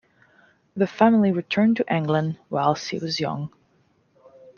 The family returned to England whilst he was young.